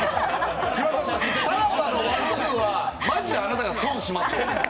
さらばがワンツーはマジであなたが損しますよ。